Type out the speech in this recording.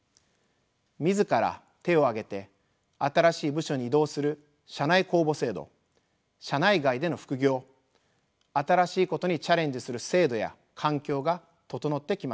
自ら手を挙げて新しい部署に移動する社内公募制度社内外での副業新しいことにチャレンジする制度や環境が整ってきました。